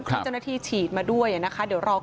ที่เจ้าหน้าที่ฉีดมาด้วยนะครับ